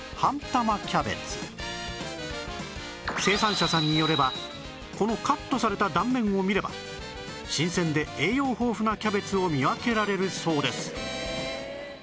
生産者さんによればこのカットされた断面を見れば新鮮で栄養豊富なキャベツを見分けられるそうです